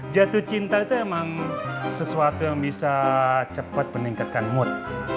jatuh cinta itu emang sesuatu yang bisa cepat meningkatkan mood